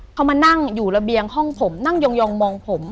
เขามานั่งอยู่ระเบียงห้องผมนั่งยองมองผม